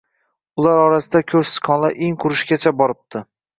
Ular orasida ko`rsichqonlar in qurishgacha boribdi